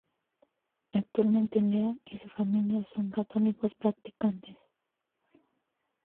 Actualmente Leah y su familia son católicos practicantes.